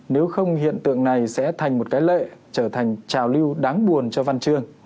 nếu không hiện tượng này sẽ thành một cái lệ trở thành trào lưu đáng buồn cho văn chương